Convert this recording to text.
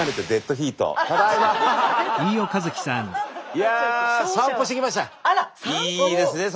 いいですね